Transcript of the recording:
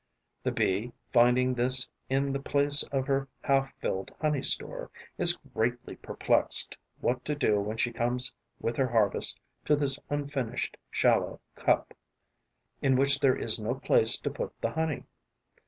The Bee, finding this in the place of her half filled honey store, is greatly perplexed what to do when she comes with her harvest to this unfinished, shallow cup, in which there is no place to put the honey.